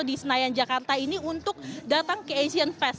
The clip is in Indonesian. di senayan jakarta ini untuk datang ke asian fest